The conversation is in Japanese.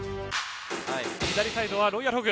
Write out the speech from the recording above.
左サイドはロイヤルホグ。